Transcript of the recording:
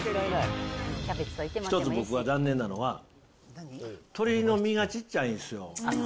１つ、僕が残念なのは鶏の身がちっちゃいんですよ。